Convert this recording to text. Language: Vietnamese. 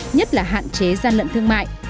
nhất là hạn chế gian lận thương mại